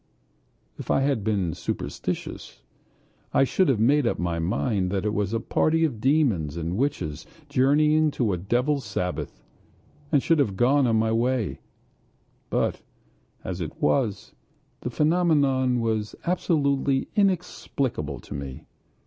If I had been superstitious I should have made up my mind it was a party of demons and witches journeying to a devils' sabbath, and should have gone on my way; but as it was, the phenomenon was absolutely inexplicable to me.